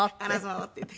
って言って。